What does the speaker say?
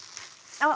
あっ！